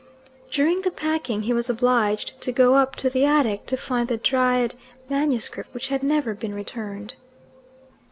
During the packing he was obliged to go up to the attic to find the Dryad manuscript which had never been returned.